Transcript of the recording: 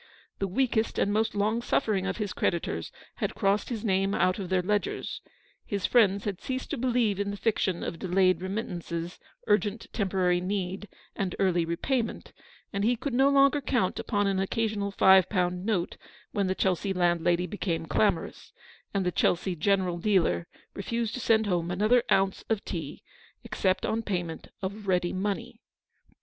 The weakest and most long suffering of his creditors had crossed his name out of their ledgers ; his friends had ceased to believe in the fiction of delayed remit tances, urgent temporary need, and early repay THE STORY OF THE PAST. 59 merit; and he could no longer count upon an occasional five pound note when the Chelsea land lady became clamorous, and the Chelsea general dealer refused to send home another ounce of tea, except on payment of ready money.